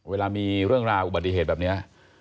เวลามีเรื่องราวอุบัติเหตุแบบนี้